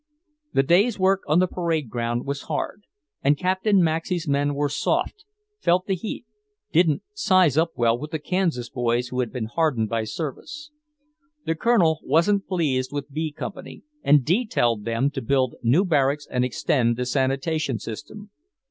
The day's work on the parade ground was hard, and Captain Maxey's men were soft, felt the heat, didn't size up well with the Kansas boys who had been hardened by service. The Colonel wasn't pleased with B Company and detailed them to build new barracks and extend the sanitation system.